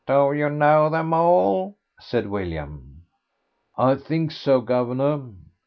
"Do you know them all?" said William. "I think so, guv'nor."